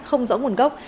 không rõ nguồn gốc